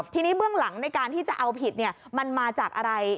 ทีนี้เบื้องหลังในการที่จะเอาผิดมันมาจากอะไร